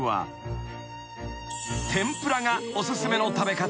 ［天ぷらがお勧めの食べ方］